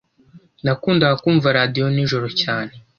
Nakundaga kumva radio nijoro cyane.